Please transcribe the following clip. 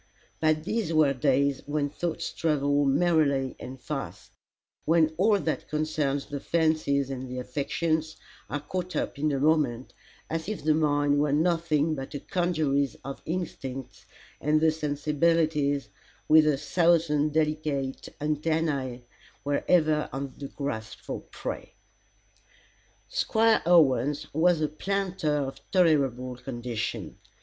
But these were days when thoughts travel merrily and fast when all that concerns the fancies and the affections, are caught up in a moment, as if the mind were nothing but a congeries of instincts, and the sensibilities, with a thousand delicate antennae, were ever on the grasp for prey. Squire Owens was a planter of tolerable condition.